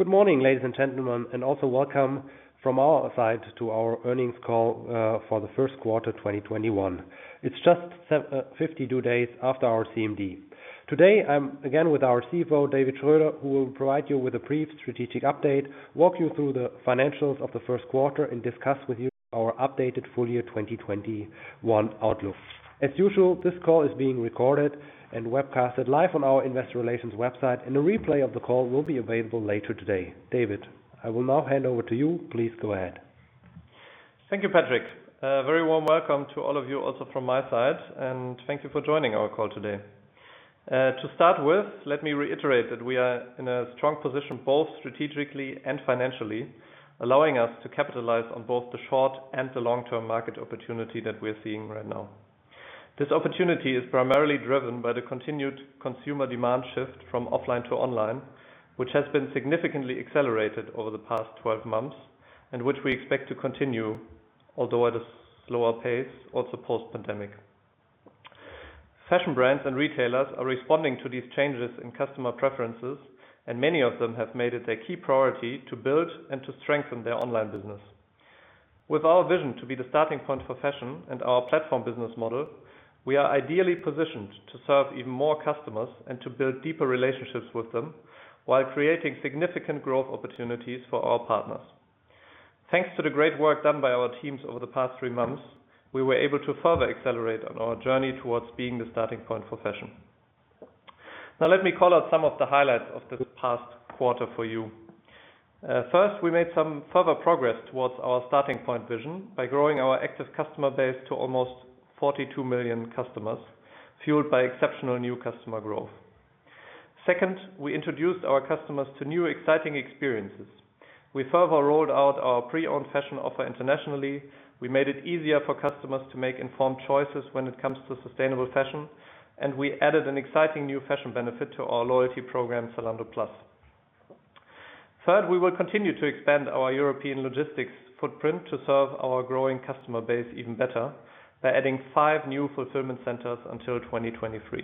Good morning, ladies and gentlemen, and also welcome from our side to our earnings call for the first quarter 2021. It's just 52 days after our CMD. Today, I'm again with our CFO, David Schröder, who will provide you with a brief strategic update, walk you through the financials of the first quarter, and discuss with you our updated full year 2021 outlook. As usual, this call is being recorded and webcasted live on our investor relations website, and a replay of the call will be available later today. David, I will now hand over to you. Please go ahead. Thank you, Patrick. A very warm welcome to all of you also from my side, and thank you for joining our call today. To start with, let me reiterate that we are in a strong position both strategically and financially, allowing us to capitalize on both the short and the long-term market opportunity that we are seeing right now. This opportunity is primarily driven by the continued consumer demand shift from offline to online, which has been significantly accelerated over the past 12 months and which we expect to continue, although at a slower pace, also post-pandemic. Fashion brands and retailers are responding to these changes in customer preferences, and many of them have made it their key priority to build and to strengthen their online business. With our vision to be the starting point for fashion and our platform business model, we are ideally positioned to serve even more customers and to build deeper relationships with them, while creating significant growth opportunities for our partners. Thanks to the great work done by our teams over the past three months, we were able to further accelerate on our journey towards being the starting point for fashion. Now, let me call out some of the highlights of this past quarter for you. First, we made some further progress towards our starting point vision by growing our active customer base to almost 42 million customers, fueled by exceptional new customer growth. Second, we introduced our customers to new, exciting experiences. We further rolled out our pre-owned fashion offer internationally. We made it easier for customers to make informed choices when it comes to sustainable fashion, and we added an exciting new fashion benefit to our loyalty program, Zalando Plus. Third, we will continue to expand our European logistics footprint to serve our growing customer base even better by adding five new fulfillment centers until 2023.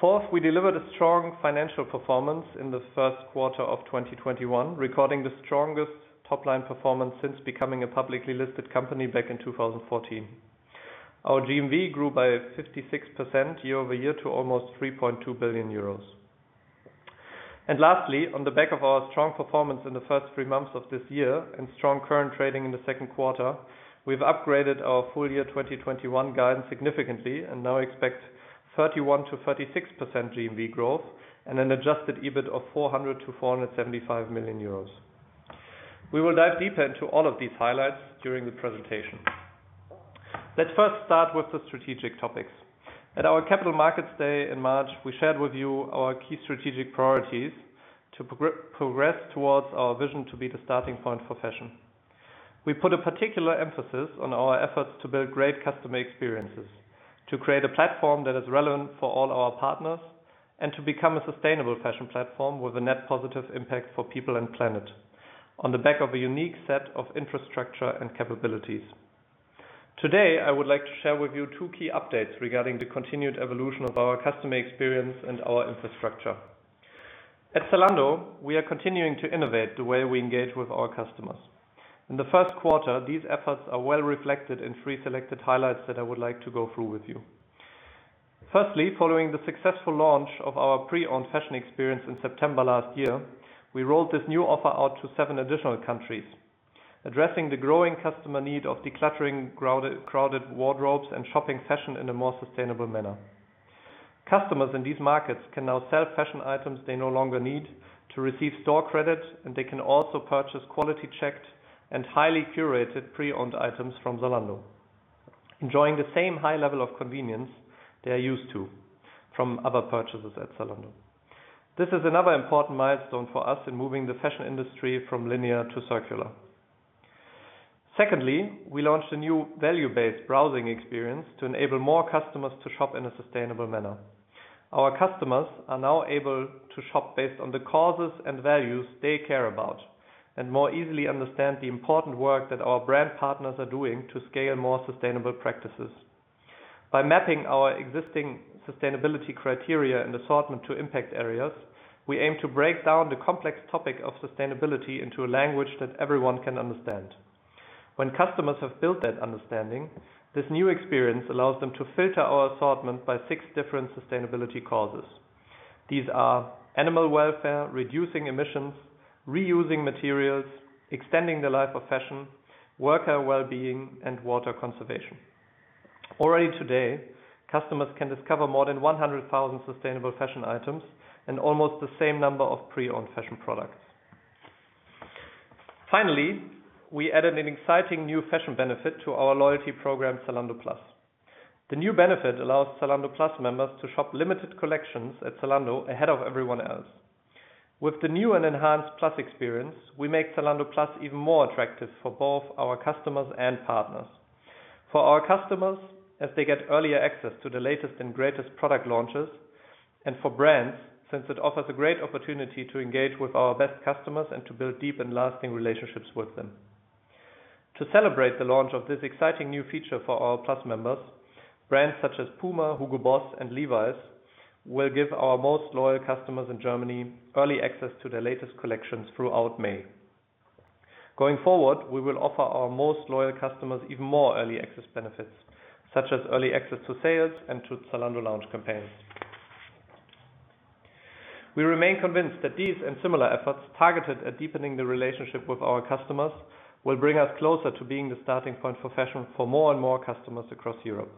Fourth, we delivered a strong financial performance in the first quarter of 2021, recording the strongest top-line performance since becoming a publicly listed company back in 2014. Our GMV grew by 56% year-over-year to almost 3.2 billion euros. Lastly, on the back of our strong performance in the first three months of this year and strong current trading in the second quarter, we've upgraded our full-year 2021 guidance significantly and now expect 31%-36% GMV growth and an adjusted EBIT of 400 million-475 million euros. We will dive deeper into all of these highlights during the presentation. Let's first start with the strategic topics. At our Capital Markets Day in March, we shared with you our key strategic priorities to progress towards our vision to be the starting point for fashion. We put a particular emphasis on our efforts to build great customer experiences, to create a platform that is relevant for all our partners, and to become a sustainable fashion platform with a net positive impact for people and planet on the back of a unique set of infrastructure and capabilities. Today, I would like to share with you two key updates regarding the continued evolution of our customer experience and our infrastructure. At Zalando, we are continuing to innovate the way we engage with our customers. In the first quarter, these efforts are well reflected in three selected highlights that I would like to go through with you. Firstly, following the successful launch of our pre-owned fashion experience in September last year, we rolled this new offer out to seven additional countries, addressing the growing customer need of decluttering crowded wardrobes and shopping fashion in a more sustainable manner. Customers in these markets can now sell fashion items they no longer need to receive store credit, and they can also purchase quality-checked and highly curated pre-owned items from Zalando, enjoying the same high level of convenience they are used to from other purchases at Zalando. This is another important milestone for us in moving the fashion industry from linear to circular. Secondly, we launched a new value-based browsing experience to enable more customers to shop in a sustainable manner. Our customers are now able to shop based on the causes and values they care about and more easily understand the important work that our brand partners are doing to scale more sustainable practices. By mapping our existing sustainability criteria and assortment to impact areas, we aim to break down the complex topic of sustainability into a language that everyone can understand. When customers have built that understanding, this new experience allows them to filter our assortment by six different sustainability causes. These are animal welfare, reducing emissions, reusing materials, extending the life of fashion, worker well-being, and water conservation. Already today, customers can discover more than 100,000 sustainable fashion items and almost the same number of pre-owned fashion products. Finally, we added an exciting new fashion benefit to our loyalty program, Zalando Plus. The new benefit allows Zalando Plus members to shop limited collections at Zalando ahead of everyone else. With the new and enhanced Plus experience, we make Zalando Plus even more attractive for both our customers and partners. For our customers, as they get earlier access to the latest and greatest product launches, and for brands, since it offers a great opportunity to engage with our best customers and to build deep and lasting relationships with them. To celebrate the launch of this exciting new feature for our Plus members, brands such as Puma, Hugo Boss, and Levi's will give our most loyal customers in Germany early access to their latest collections throughout May. Going forward, we will offer our most loyal customers even more early access benefits, such as early access to sales and to Zalando Lounge campaigns. We remain convinced that these and similar efforts targeted at deepening the relationship with our customers will bring us closer to being the starting point for fashion for more and more customers across Europe.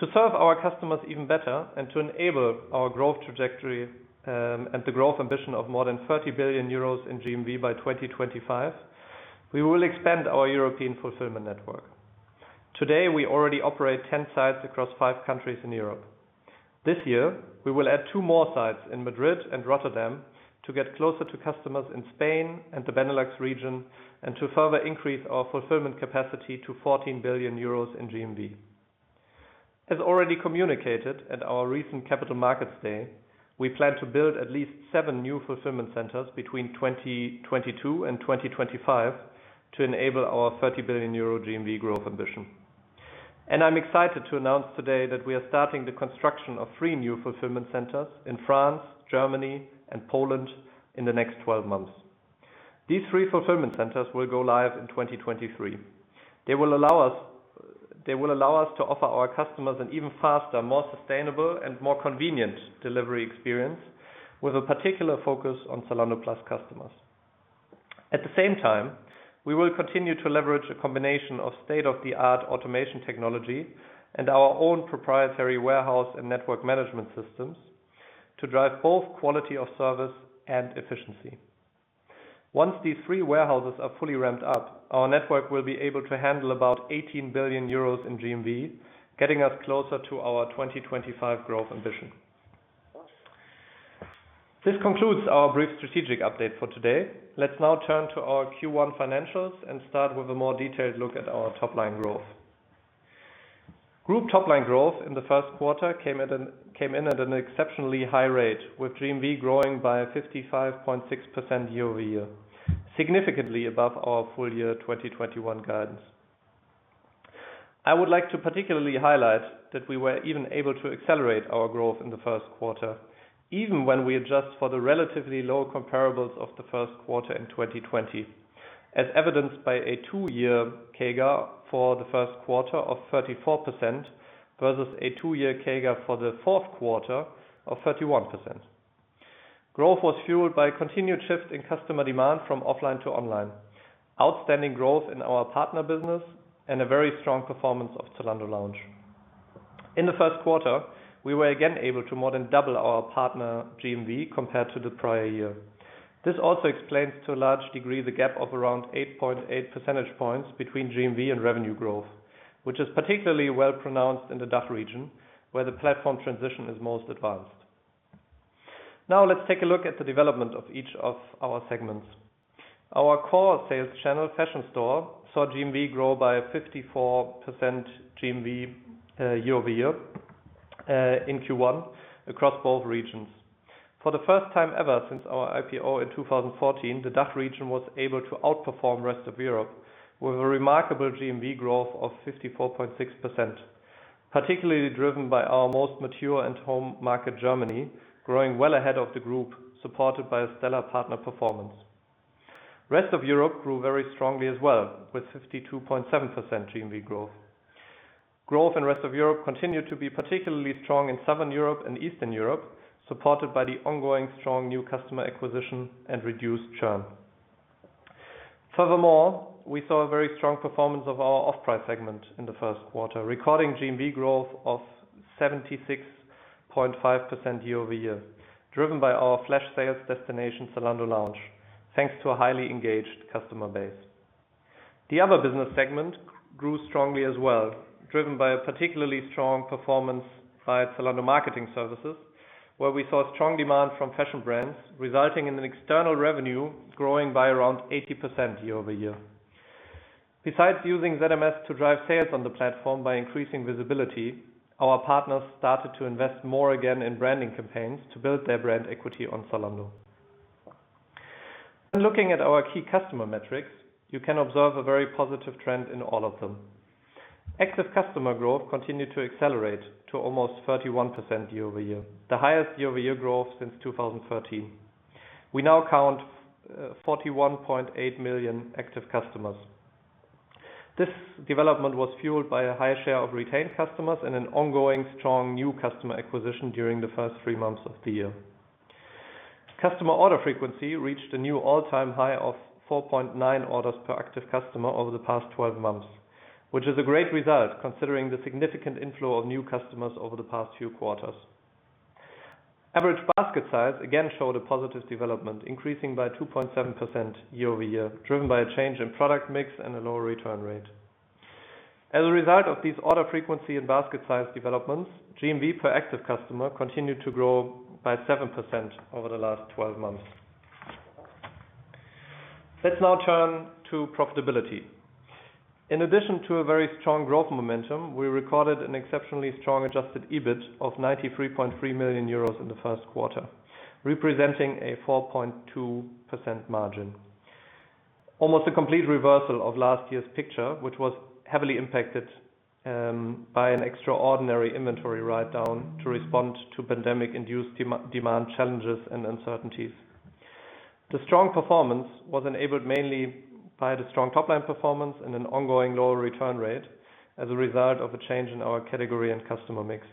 To serve our customers even better and to enable our growth trajectory, and the growth ambition of more than 30 billion euros in GMV by 2025, we will expand our European fulfillment network. Today, we already operate 10 sites across five countries in Europe. This year, we will add two more sites in Madrid and Rotterdam to get closer to customers in Spain and the Benelux region, and to further increase our fulfillment capacity to 14 billion euros in GMV. As already communicated at our recent Capital Markets Day, we plan to build at least seven new fulfillment centers between 2022 and 2025 to enable our 30 billion euro GMV growth ambition. I'm excited to announce today that we are starting the construction of three new fulfillment centers in France, Germany, and Poland in the next 12 months. These three fulfillment centers will go live in 2023. They will allow us to offer our customers an even faster, more sustainable, and more convenient delivery experience with a particular focus on Zalando Plus customers. At the same time, we will continue to leverage a combination of state-of-the-art automation technology and our own proprietary warehouse and network management systems to drive both quality of service and efficiency. Once these three warehouses are fully ramped up, our network will be able to handle about 18 billion euros in GMV, getting us closer to our 2025 growth ambition. This concludes our brief strategic update for today. Let's now turn to our Q1 financials and start with a more detailed look at our top-line growth. Group top-line growth in the first quarter came in at an exceptionally high rate, with GMV growing by 55.6% year-over-year, significantly above our full year 2021 guidance. I would like to particularly highlight that we were even able to accelerate our growth in the first quarter, even when we adjust for the relatively low comparables of the first quarter in 2020, as evidenced by a two-year CAGR for the first quarter of 34% versus a two-year CAGR for the fourth quarter of 31%. Growth was fueled by a continued shift in customer demand from offline to online, outstanding growth in our partner business, and a very strong performance of Zalando Lounge. In the first quarter, we were again able to more than double our partner GMV compared to the prior year. This also explains, to a large degree, the gap of around 8.8 percentage points between GMV and revenue growth, which is particularly well pronounced in the DACH region, where the platform transition is most advanced. Now let's take a look at the development of each of our segments. Our core sales channel, Fashion Store, saw GMV grow by 54% year-over-year in Q1 across both regions. For the first time ever since our IPO in 2014, the DACH region was able to outperform rest of Europe with a remarkable GMV growth of 54.6%, particularly driven by our most mature and home market, Germany, growing well ahead of the group, supported by a stellar partner performance. Rest of Europe grew very strongly as well with 52.7% GMV growth. Growth in rest of Europe continued to be particularly strong in Southern Europe and Eastern Europe, supported by the ongoing strong new customer acquisition and reduced churn. Furthermore, we saw a very strong performance of our off-price segment in the first quarter, recording GMV growth of 76.5% year-over-year, driven by our flash sales destination, Zalando Lounge, thanks to a highly engaged customer base. The other business segment grew strongly as well, driven by a particularly strong performance by Zalando Marketing Services, where we saw strong demand from fashion brands, resulting in an external revenue growing by around 80% year-over-year. Besides using ZMS to drive sales on the platform by increasing visibility, our partners started to invest more again in branding campaigns to build their brand equity on Zalando. Looking at our key customer metrics, you can observe a very positive trend in all of them. Active customer growth continued to accelerate to almost 31% year-over-year, the highest year-over-year growth since 2013. We now count 41.8 million active customers. This development was fueled by a higher share of retained customers and an ongoing strong new customer acquisition during the first three months of the year. Customer order frequency reached a new all-time high of 4.9 orders per active customer over the past 12 months, which is a great result considering the significant inflow of new customers over the past few quarters. Average basket size again showed a positive development, increasing by 2.7% year-over-year, driven by a change in product mix and a lower return rate. As a result of these order frequency and basket size developments, GMV per active customer continued to grow by 7% over the last 12 months. Let's now turn to profitability. In addition to a very strong growth momentum, we recorded an exceptionally strong adjusted EBIT of 93.3 million euros in the first quarter, representing a 4.2% margin. Almost a complete reversal of last year's picture, which was heavily impacted by an extraordinary inventory writedown to respond to pandemic-induced demand challenges and uncertainties. The strong performance was enabled mainly by the strong top-line performance and an ongoing lower return rate as a result of a change in our category and customer mix.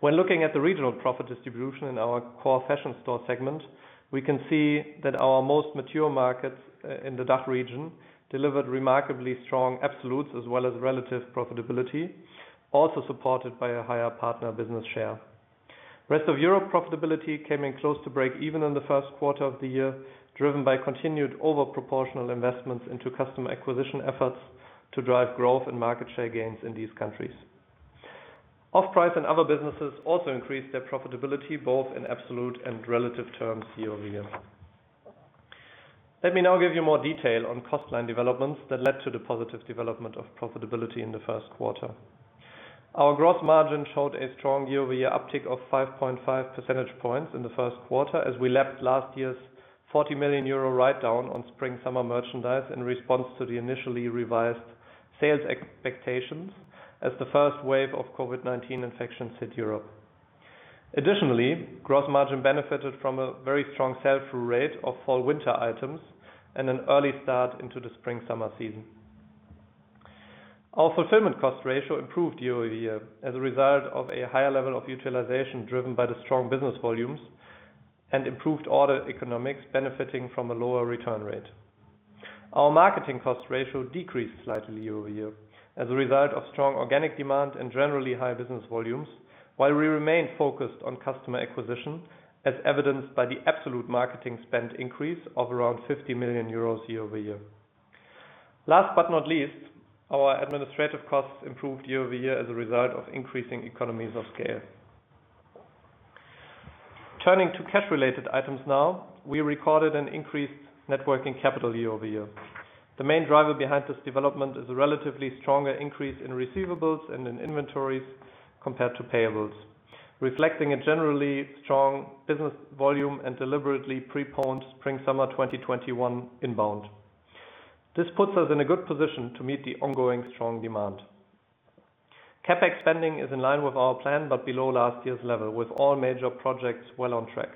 When looking at the regional profit distribution in our core Fashion Store segment, we can see that our most mature markets in the DACH region delivered remarkably strong absolutes as well as relative profitability, also supported by a higher partner business share. Rest of Europe profitability came in close to break even in the first quarter of the year, driven by continued overproportional investments into customer acquisition efforts to drive growth and market share gains in these countries. Off-price and other businesses also increased their profitability, both in absolute and relative terms year-over-year. Let me now give you more detail on cost line developments that led to the positive development of profitability in the first quarter. Our gross margin showed a strong year-over-year uptick of 5.5 percentage points in the first quarter as we lapped last year's 40 million euro writedown on spring/summer merchandise in response to the initially revised sales expectations as the first wave of COVID-19 infections hit Europe. Additionally, gross margin benefited from a very strong sell-through rate of fall/winter items and an early start into the spring/summer season. Our fulfillment cost ratio improved year-over-year as a result of a higher level of utilization driven by the strong business volumes and improved order economics benefiting from a lower return rate. Our marketing cost ratio decreased slightly year-over-year as a result of strong organic demand and generally high business volumes, while we remain focused on customer acquisition, as evidenced by the absolute marketing spend increase of around 50 million euros year-over-year. Last but not least, our administrative costs improved year-over-year as a result of increasing economies of scale. Turning to cash-related items now. We recorded an increased net working capital year-over-year. The main driver behind this development is a relatively stronger increase in receivables and in inventories compared to payables, reflecting a generally strong business volume and deliberately preponed spring/summer 2021 inbound. This puts us in a good position to meet the ongoing strong demand. CapEx spending is in line with our plan but below last year's level, with all major projects well on track.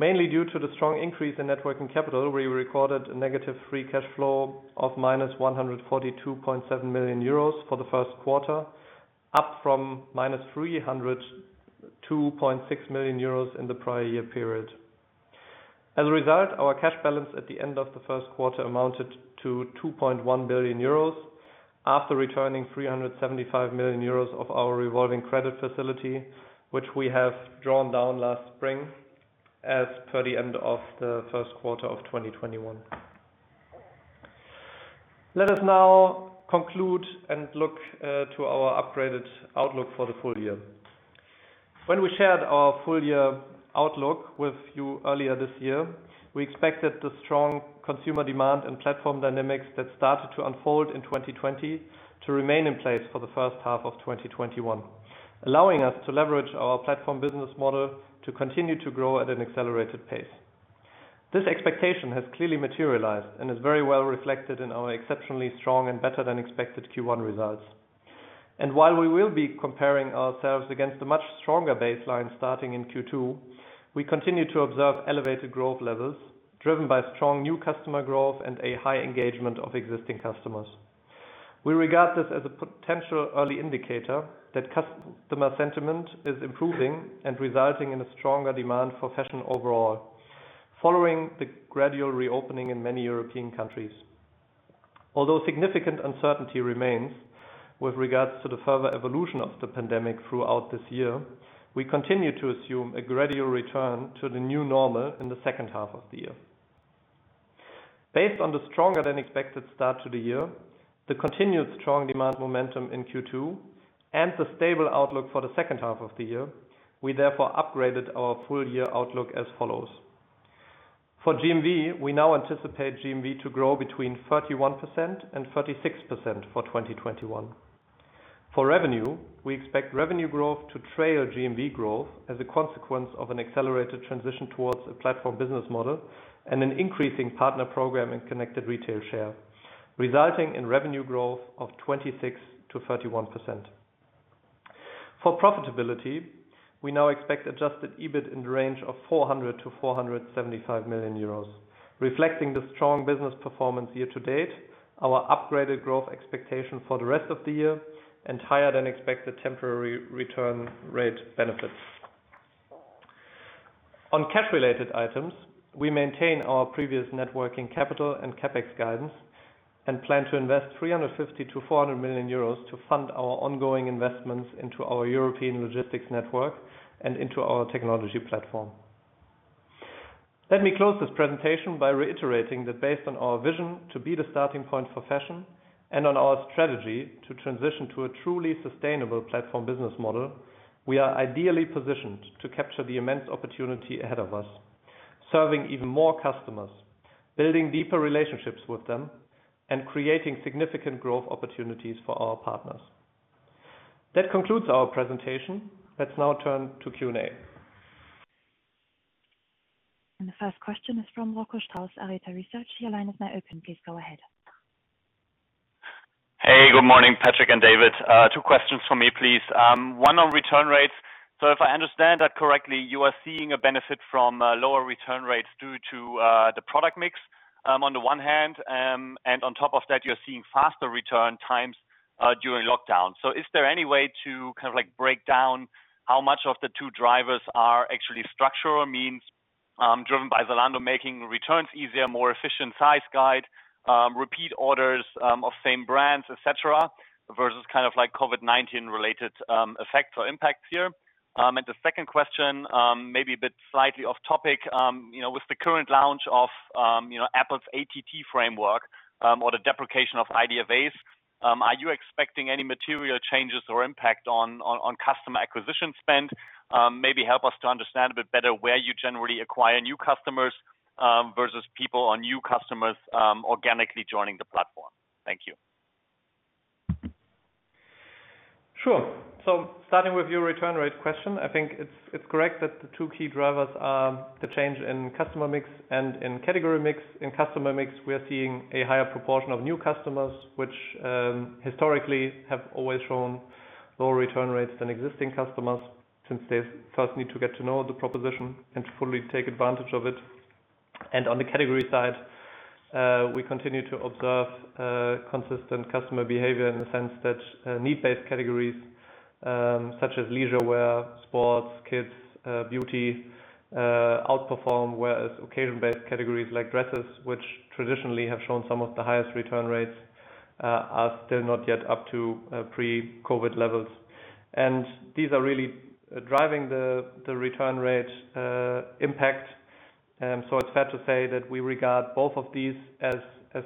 Mainly due to the strong increase in net working capital, we recorded a negative free cash flow of minus 142.7 million euros for the first quarter, up from minus 302.6 million euros in the prior year period. As a result, our cash balance at the end of the first quarter amounted to 2.1 billion euros after returning 375 million euros of our revolving credit facility, which we have drawn down last spring as per the end of the first quarter of 2021. Let us now conclude and look to our upgraded outlook for the full year. When we shared our full-year outlook with you earlier this year, we expected the strong consumer demand and platform dynamics that started to unfold in 2020 to remain in place for the first half of 2021, allowing us to leverage our platform business model to continue to grow at an accelerated pace. This expectation has clearly materialized and is very well reflected in our exceptionally strong and better-than-expected Q1 results. While we will be comparing ourselves against a much stronger baseline starting in Q2, we continue to observe elevated growth levels driven by strong new customer growth and a high engagement of existing customers. We regard this as a potential early indicator that customer sentiment is improving and resulting in a stronger demand for fashion overall, following the gradual reopening in many European countries. Although significant uncertainty remains with regards to the further evolution of the pandemic throughout this year, we continue to assume a gradual return to the new normal in the second half of the year. Based on the stronger-than-expected start to the year, the continued strong demand momentum in Q2, and the stable outlook for the second half of the year, we therefore upgraded our full-year outlook as follows. For GMV, we now anticipate GMV to grow between 31% and 36% for 2021. For revenue, we expect revenue growth to trail GMV growth as a consequence of an accelerated transition towards a platform business model and an increasing Partner Program and Connected Retail share, resulting in revenue growth of 26%-31%. For profitability, we now expect adjusted EBIT in the range of 400 million-475 million euros, reflecting the strong business performance year-to-date, our upgraded growth expectation for the rest of the year, and higher-than-expected temporary return rate benefits. On cash-related items, we maintain our previous net working capital and CapEx guidance and plan to invest 350 million-400 million euros to fund our ongoing investments into our European logistics network and into our technology platform. Let me close this presentation by reiterating that based on our vision to be the starting point for fashion and on our strategy to transition to a truly sustainable platform business model, we are ideally positioned to capture the immense opportunity ahead of us, serving even more customers, building deeper relationships with them, and creating significant growth opportunities for our partners. That concludes our presentation. Let's now turn to Q&A. The first question is from Rocco Strauss, Arete Research. Your line is now open. Please go ahead. Hey, good morning, Patrick and David. Two questions from me, please. One on return rates. If I understand that correctly, you are seeing a benefit from lower return rates due to the product mix on the one hand, and on top of that, you're seeing faster return times during lockdown. Is there any way to break down how much of the two drivers are actually structural means, driven by Zalando making returns easier, more efficient size guide, repeat orders of same brands, et cetera, versus COVID-19-related effects or impacts here? The second question, maybe a bit slightly off topic. With the current launch of Apple's ATT framework, or the deprecation of IDFA, are you expecting any material changes or impact on customer acquisition spend? Maybe help us to understand a bit better where you generally acquire new customers, versus people or new customers organically joining the platform. Thank you. Sure. Starting with your return rate question, I think it's correct that the two key drivers are the change in customer mix and in category mix. In customer mix, we are seeing a higher proportion of new customers, which historically have always shown lower return rates than existing customers, since they first need to get to know the proposition and fully take advantage of it. On the category side, we continue to observe consistent customer behavior in the sense that need-based categories, such as leisure wear, sports, kids, beauty, outperform, whereas occasion-based categories like dresses, which traditionally have shown some of the highest return rates, are still not yet up to pre-COVID-19 levels. These are really driving the return rate impact. It's fair to say that we regard both of these as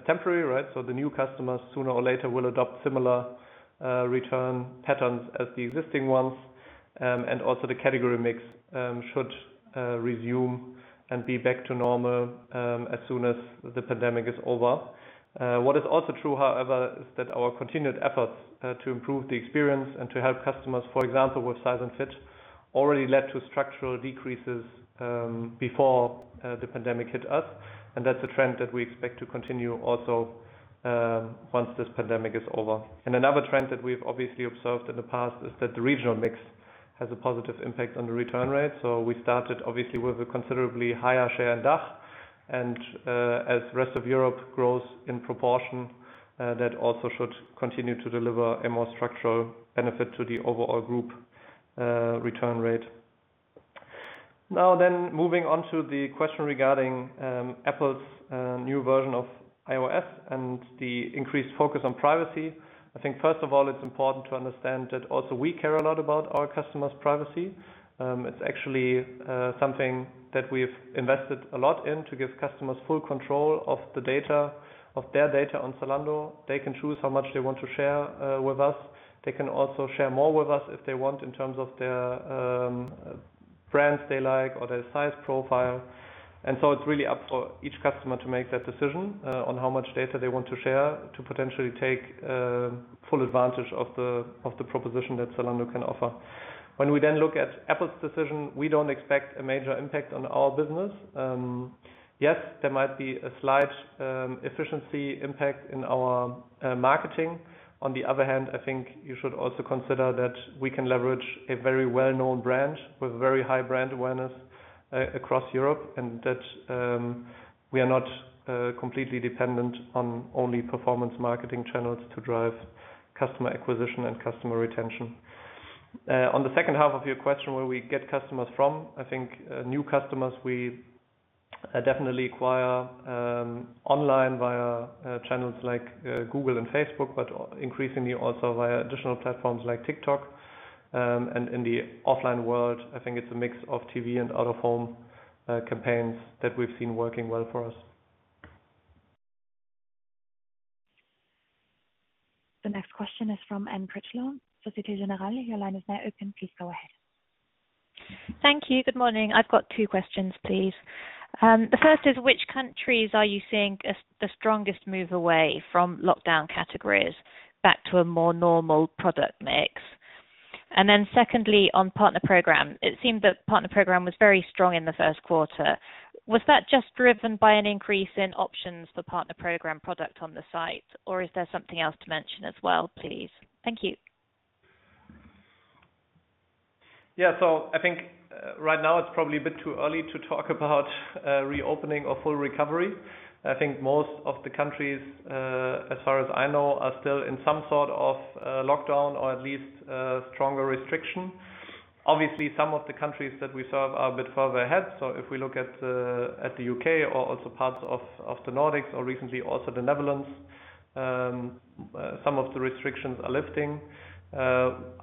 temporary, right? The new customers, sooner or later, will adopt similar return patterns as the existing ones. Also the category mix should resume and be back to normal as soon as the pandemic is over. What is also true, however, is that our continued efforts to improve the experience and to help customers, for example, with size and fit, already led to structural decreases before the pandemic hit us. That's a trend that we expect to continue also once this pandemic is over. Another trend that we've obviously observed in the past is that the regional mix has a positive impact on the return rate. We started obviously with a considerably higher share in DACH. As rest of Europe grows in proportion, that also should continue to deliver a more structural benefit to the overall group return rate. Moving on to the question regarding Apple's new version of iOS and the increased focus on privacy. I think first of all, it's important to understand that also we care a lot about our customers' privacy. It's actually something that we've invested a lot in to give customers full control of their data on Zalando. They can choose how much they want to share with us. They can also share more with us if they want in terms of their brands they like or their size profile. It's really up for each customer to make that decision on how much data they want to share to potentially take full advantage of the proposition that Zalando can offer. When we then look at Apple's decision, we don't expect a major impact on our business. Yes, there might be a slight efficiency impact in our marketing. On the other hand, I think you should also consider that we can leverage a very well-known brand with very high brand awareness across Europe, and that we are not completely dependent on only performance marketing channels to drive customer acquisition and customer retention. On the second half of your question, where we get customers from, I think new customers we definitely acquire online via channels like Google and Facebook, but increasingly also via additional platforms like TikTok. In the offline world, I think it's a mix of TV and out-of-home campaigns that we've seen working well for us. The next question is from Anne Critchlow, Societe Generale. Your line is now open. Please go ahead. Thank you. Good morning. I've got two questions, please. The first is which countries are you seeing the strongest move away from lockdown categories back to a more normal product mix? Secondly, on Partner Program. It seemed that Partner Program was very strong in the first quarter. Was that just driven by an increase in options for Partner Program product on the site, or is there something else to mention as well, please? Thank you. Yeah. I think right now it's probably a bit too early to talk about reopening or full recovery. I think most of the countries, as far as I know, are still in some sort of lockdown or at least a stronger restriction. Obviously, some of the countries that we serve are a bit further ahead. If we look at the U.K. or also parts of the Nordics or recently also the Netherlands, some of the restrictions are lifting.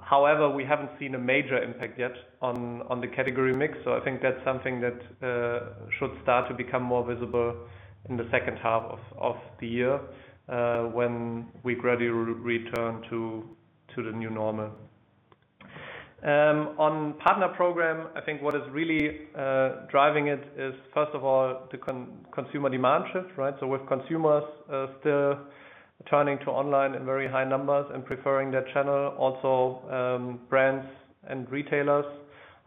However, we haven't seen a major impact yet on the category mix. I think that's something that should start to become more visible in the second half of the year, when we gradually return to the new normal. On Partner Program, I think what is really driving it is, first of all, the consumer demand shift, right? With consumers still turning to online in very high numbers and preferring that channel also, brands and retailers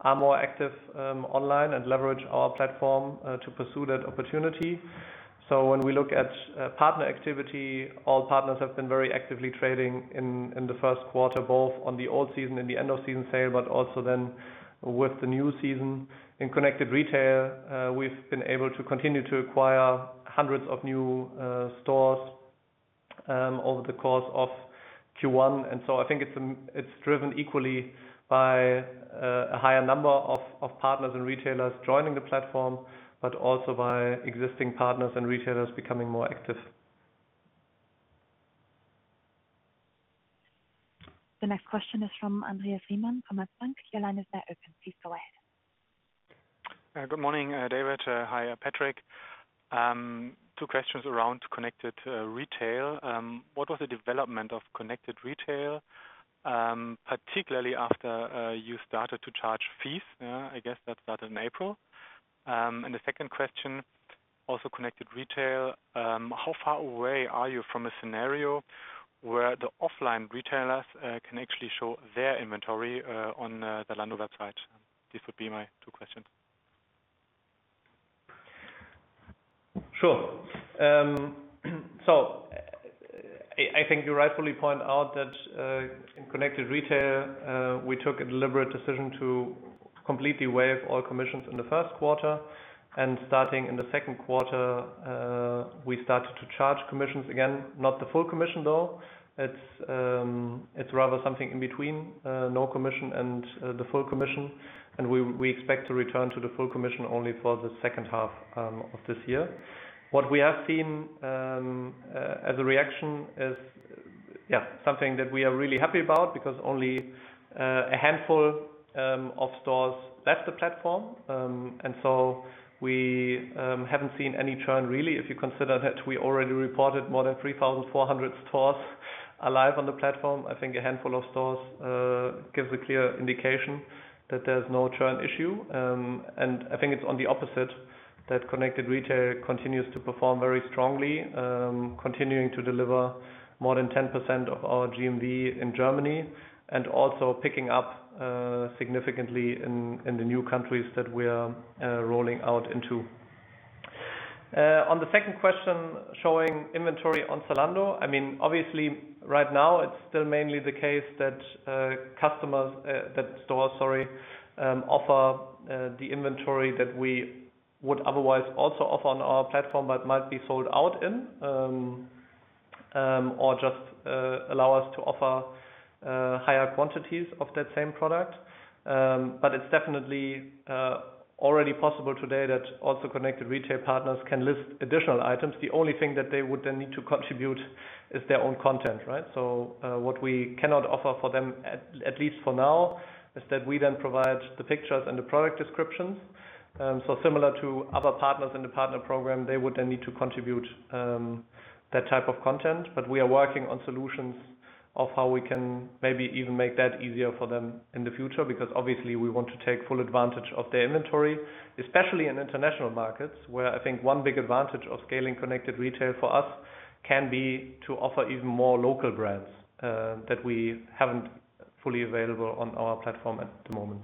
are more active online and leverage our platform to pursue that opportunity. When we look at partner activity, all partners have been very actively trading in the first quarter, both on the old season and the end-of-season sale, but also then with the new season. In Connected Retail, we've been able to continue to acquire hundreds of new stores over the course of Q1. I think it's driven equally by a higher number of partners and retailers joining the platform, but also by existing partners and retailers becoming more active. The next question is from Andreas Riemann, Commerzbank. Your line is now open. Please go ahead. Good morning, David. Hi, Patrick. Two questions around Connected Retail. What was the development of Connected Retail, particularly after you started to charge fees? I guess that started in April. The second question, also Connected Retail, how far away are you from a scenario where the offline retailers can actually show their inventory on the Zalando website? These would be my two questions. Sure. I think you rightfully point out that, in Connected Retail, we took a deliberate decision to completely waive all commissions in the first quarter. Starting in the second quarter, we started to charge commissions again. Not the full commission, though. It's rather something in between, no commission and the full commission. We expect to return to the full commission only for the second half of this year. What we have seen as a reaction is something that we are really happy about, because only a handful of stores left the platform. We haven't seen any churn, really, if you consider that we already reported more than 3,400 stores are live on the platform. I think a handful of stores gives a clear indication that there's no churn issue. I think it's on the opposite, that Connected Retail continues to perform very strongly, continuing to deliver more than 10% of our GMV in Germany and also picking up significantly in the new countries that we are rolling out into. On the second question, showing inventory on Zalando. Obviously, right now it's still mainly the case that stores offer the inventory that we would otherwise also offer on our platform but might be sold out in or just allow us to offer higher quantities of that same product. It's definitely already possible today that also Connected Retail partners can list additional items. The only thing that they would then need to contribute is their own content, right? What we cannot offer for them, at least for now, is that we then provide the pictures and the product descriptions. Similar to other partners in the Partner Program, they would then need to contribute that type of content. We are working on solutions of how we can maybe even make that easier for them in the future, because obviously we want to take full advantage of their inventory, especially in international markets, where I think one big advantage of scaling Connected Retail for us can be to offer even more local brands that we haven't fully available on our platform at the moment.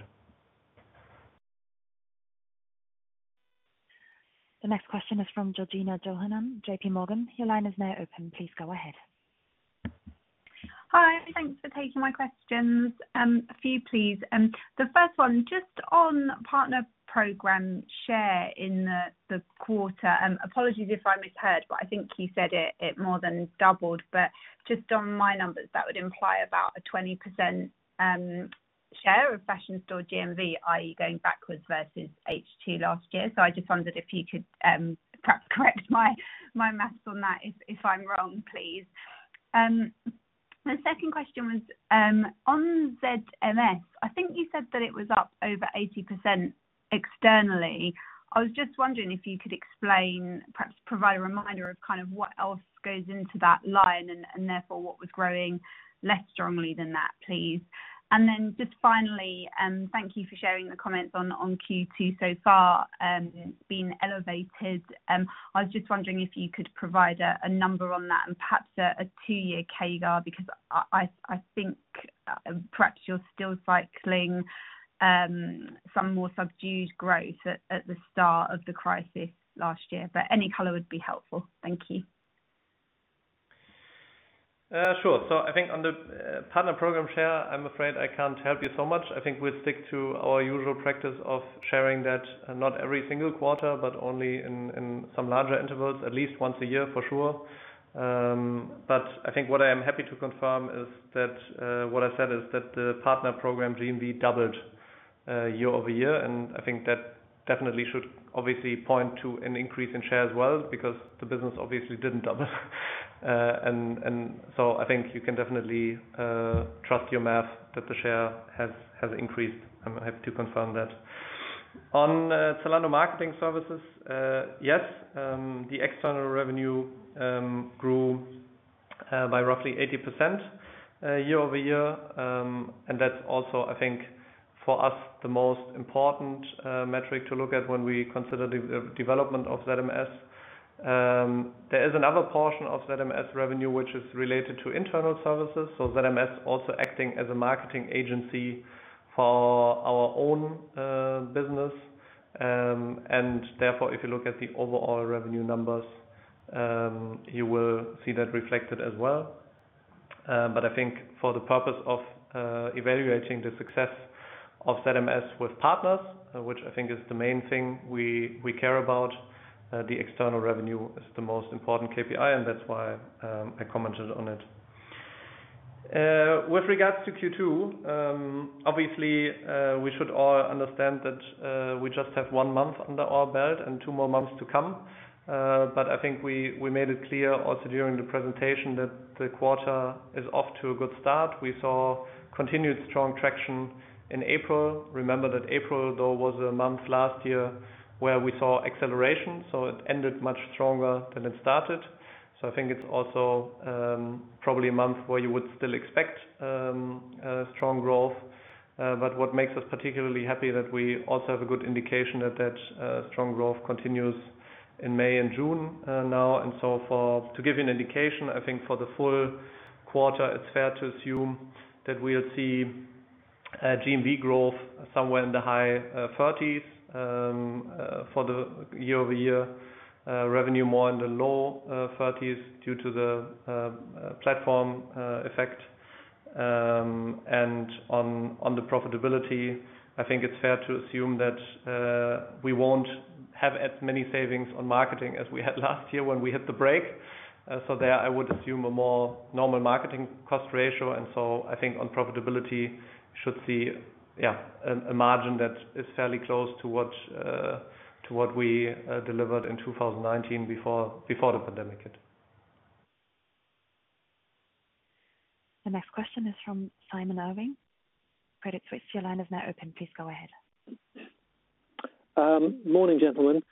The next question is from Georgina Johanan, JPMorgan. Your line is now open. Please go ahead. Hi, thanks for taking my questions. A few, please. The first one, just on Partner Program share in the quarter. Apologies if I misheard, I think you said it more than doubled. Just on my numbers, that would imply about a 20% share of Fashion Store GMV, i.e., going backwards versus H2 last year. I just wondered if you could perhaps correct my math on that if I'm wrong, please. The second question was on ZMS. I think you said that it was up over 80% externally. I was just wondering if you could explain, perhaps provide a reminder of kind of what else goes into that line and therefore what was growing less strongly than that, please. Just finally, thank you for sharing the comments on Q2 so far, it's been elevated. I was just wondering if you could provide a number on that and perhaps a two-year CAGR, because I think perhaps you're still cycling some more subdued growth at the start of the crisis last year. Any color would be helpful. Thank you. Sure. I think on the Partner Program share, I'm afraid I can't help you so much. I think we'll stick to our usual practice of sharing that, not every single quarter, but only in some larger intervals, at least once a year for sure. I think what I am happy to confirm is that what I said is that the Partner Program GMV doubled year-over-year, and I think that definitely should obviously point to an increase in share as well, because the business obviously didn't double. I think you can definitely trust your math that the share has increased. I'm happy to confirm that. On Zalando Marketing Services, yes, the external revenue grew by roughly 80% year-over-year. That's also, I think, for us, the most important metric to look at when we consider the development of ZMS. There is another portion of ZMS revenue, which is related to internal services, so ZMS also acting as a marketing agency for our own business. Therefore, if you look at the overall revenue numbers, you will see that reflected as well. I think for the purpose of evaluating the success of ZMS with partners, which I think is the main thing we care about, the external revenue is the most important KPI, and that's why I commented on it. With regards to Q2, obviously, we should all understand that we just have one month under our belt and two more months to come. I think we made it clear also during the presentation that the quarter is off to a good start. We saw continued strong traction in April. Remember that April, though, was a month last year where we saw acceleration, it ended much stronger than it started. I think it's also probably a month where you would still expect strong growth. What makes us particularly happy is that we also have a good indication that strong growth continues in May and June now. To give you an indication, I think for the full quarter, it's fair to assume that we'll see GMV growth somewhere in the high 30s for the year-over-year revenue, more in the low 30s due to the platform effect. On the profitability, I think it's fair to assume that we won't have as many savings on marketing as we had last year when we hit the break. There, I would assume a more normal marketing cost ratio. I think on profitability, should see a margin that is fairly close to what we delivered in 2019 before the pandemic hit. The next question is from Simon Irwin, Credit Suisse. Your line is now open. Please go ahead. Morning, gentlemen.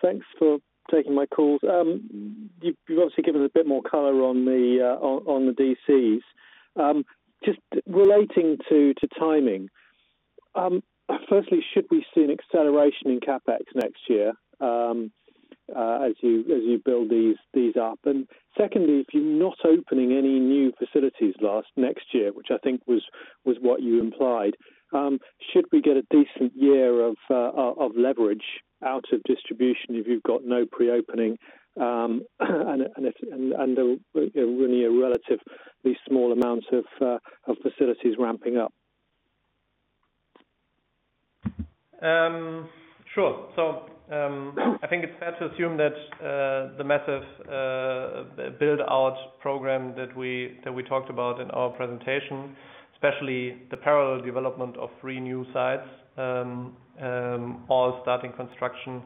Thanks for taking my calls. You've obviously given us a bit more color on the DCs. Just relating to timing. Firstly, should we see an acceleration in CapEx next year as you build these up? Secondly, if you're not opening any new facilities next year, which I think was what you implied, should we get a decent year of leverage out of distribution if you've got no pre-opening, and only a relatively small amount of facilities ramping up? Sure. I think it's fair to assume that the massive build-out program that we talked about in our presentation, especially the parallel development of three new sites, all starting construction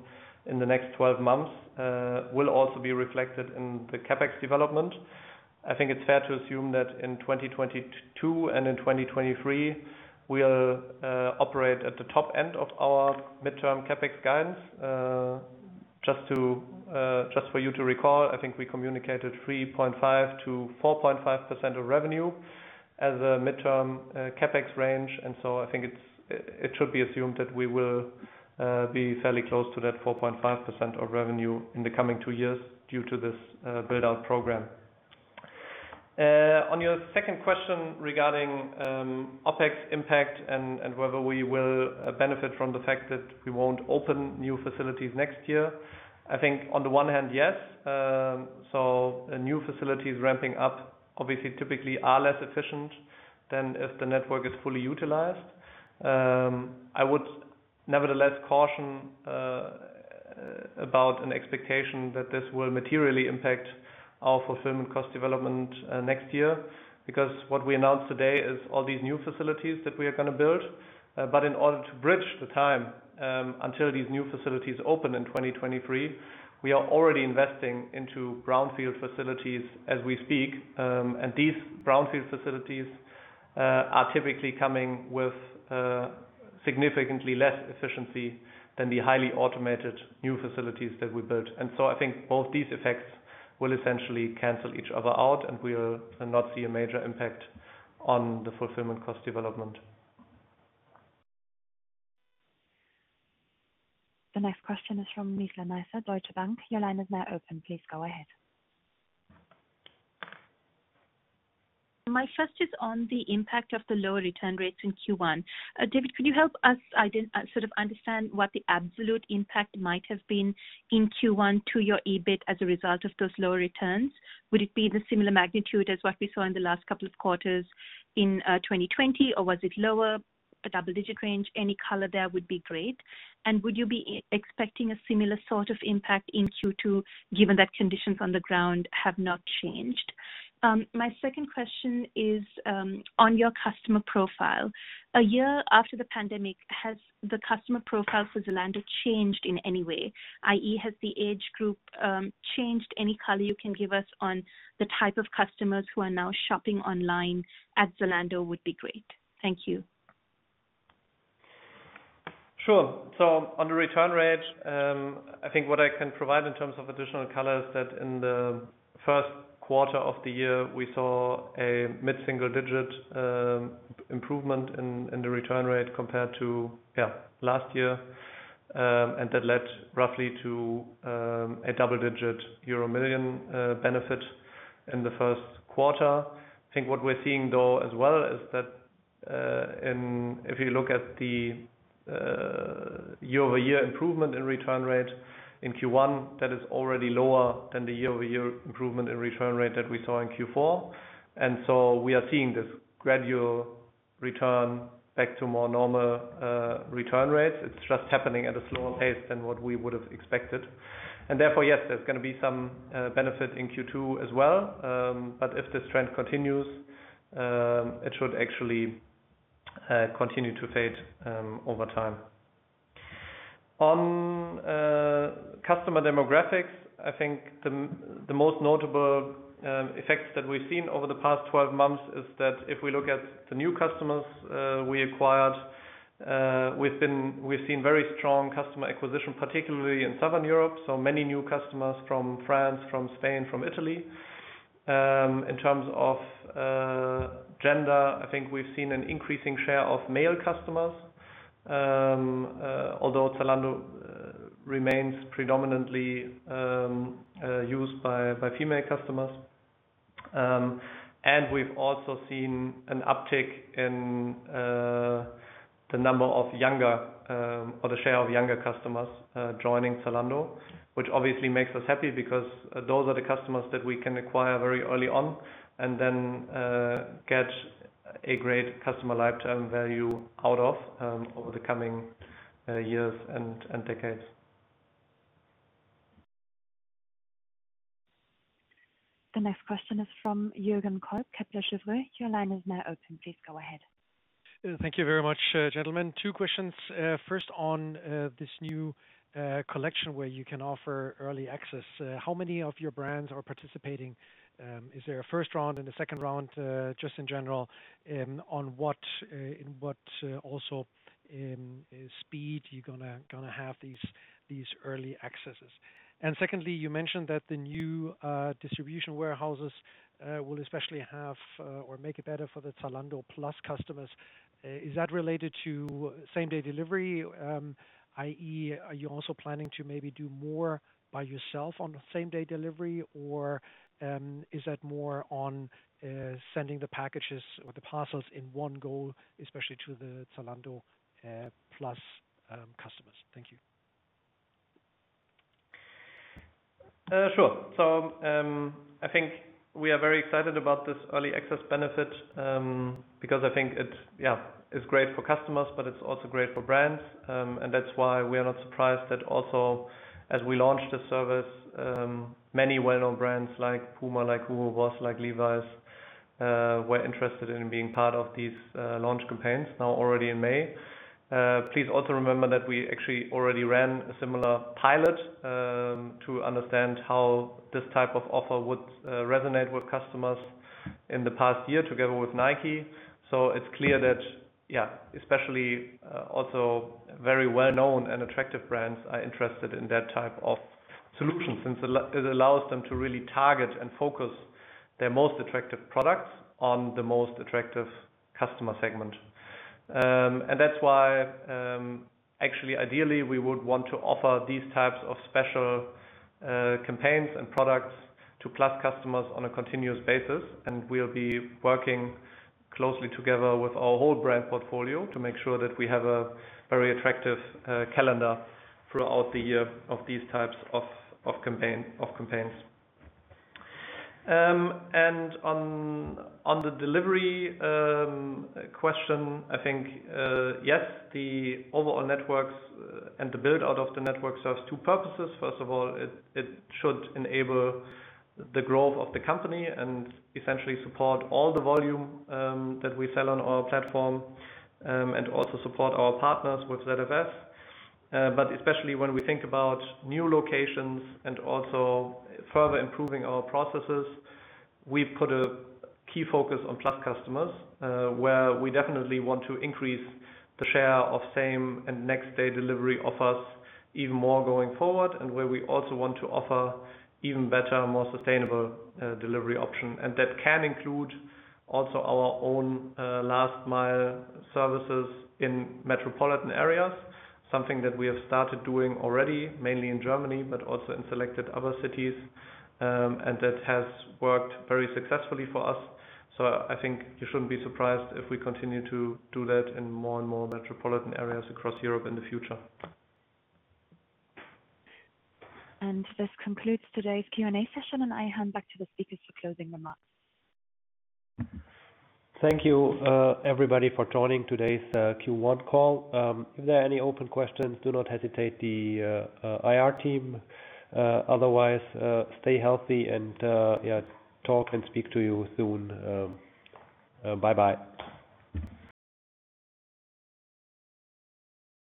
in the next 12 months, will also be reflected in the CapEx development. I think it's fair to assume that in 2022 and in 2023, we'll operate at the top end of our midterm CapEx guidance. Just for you to recall, I think we communicated 3.5%-4.5% of revenue as a midterm CapEx range. I think it should be assumed that we will be fairly close to that 4.5% of revenue in the coming two years due to this build-out program. On your second question regarding OpEx impact and whether we will benefit from the fact that we won't open new facilities next year. I think on the one hand, yes. New facilities ramping up, obviously, typically are less efficient than if the network is fully utilized. I would nevertheless caution about an expectation that this will materially impact our fulfillment cost development next year, because what we announced today is all these new facilities that we are going to build. In order to bridge the time until these new facilities open in 2023, we are already investing into brownfield facilities as we speak. These brownfield facilities are typically coming with significantly less efficiency than the highly automated new facilities that we built. I think both these effects will essentially cancel each other out, and we will not see a major impact on the fulfillment cost development. The next question is from Nizla Naizer, Deutsche Bank. Your line is now open. Please go ahead. My first is on the impact of the lower return rates in Q1. David, could you help us sort of understand what the absolute impact might have been in Q1 to your EBIT as a result of those lower returns? Would it be the similar magnitude as what we saw in the last couple of quarters in 2020, or was it lower, a double-digit range? Any color there would be great. Would you be expecting a similar sort of impact in Q2, given that conditions on the ground have not changed? My second question is on your customer profile. A year after the pandemic, has the customer profile for Zalando changed in any way, i.e., has the age group changed? Any color you can give us on the type of customers who are now shopping online at Zalando would be great. Thank you. Sure. On the return rate, I think what I can provide in terms of additional color is that in the first quarter of the year, we saw a mid-single-digit improvement in the return rate compared to last year. That led roughly to a double-digit euro million benefit in the first quarter. I think what we're seeing, though, as well is that if you look at the year-over-year improvement in return rate in Q1, that is already lower than the year-over-year improvement in return rate that we saw in Q4. We are seeing this gradual return back to more normal return rates. It's just happening at a slower pace than what we would've expected. Therefore, yes, there's going to be some benefit in Q2 as well. If this trend continues, it should actually continue to fade over time. On customer demographics, I think the most notable effects that we've seen over the past 12 months is that if we look at the new customers we acquired, we've seen very strong customer acquisition, particularly in Southern Europe. Many new customers from France, from Spain, from Italy. In terms of gender, I think we've seen an increasing share of male customers, although Zalando remains predominantly used by female customers. We've also seen an uptick in the number of younger, or the share of younger customers joining Zalando, which obviously makes us happy because those are the customers that we can acquire very early on and then get a great customer lifetime value out of, over the coming years and decades. The next question is from Jürgen Kolb, Kepler Cheuvreux. Your line is now open. Please go ahead. Thank you very much, gentlemen. Two questions. First on this new collection where you can offer early access. How many of your brands are participating? Is there a first round and a second round? Just in general, in what speed you're going to have these early accesses. Secondly, you mentioned that the new distribution warehouses will especially have, or make it better for the Zalando Plus customers. Is that related to same-day delivery? i.e., are you also planning to maybe do more by yourself on the same-day delivery, or is that more on sending the packages or the parcels in one go, especially to the Zalando Plus customers? Thank you. Sure. I think we are very excited about this early access benefit, because I think it's great for customers, but it's also great for brands. That's why we are not surprised that also as we launched the service, many well-known brands like Puma, like Hugo Boss, like Levi's, were interested in being part of these launch campaigns now already in May. Please also remember that we actually already ran a similar pilot, to understand how this type of offer would resonate with customers in the past year together with Nike. It's clear that, especially also very well-known and attractive brands are interested in that type of solution, since it allows them to really target and focus their most attractive products on the most attractive customer segment. That's why, actually, ideally, we would want to offer these types of special campaigns and products to Plus customers on a continuous basis, and we'll be working closely together with our whole brand portfolio to make sure that we have a very attractive calendar throughout the year of these types of campaigns. On the delivery question, I think, yes, the overall networks and the build-out of the network serves two purposes. First of all, it should enable the growth of the company and essentially support all the volume that we sell on our platform, and also support our partners with ZFS. Especially when we think about new locations and also further improving our processes, we've put a key focus on Plus customers, where we definitely want to increase the share of same and next-day delivery offers even more going forward, and where we also want to offer even better, more sustainable delivery options. That can include also our own last-mile services in metropolitan areas, something that we have started doing already, mainly in Germany, but also in selected other cities. That has worked very successfully for us. I think you shouldn't be surprised if we continue to do that in more and more metropolitan areas across Europe in the future. This concludes today's Q&A session, and I hand back to the speakers for closing remarks. Thank you, everybody, for joining today's Q1 call. If there are any open questions, do not hesitate, the IR team. Otherwise, stay healthy and talk and speak to you soon. Bye-bye.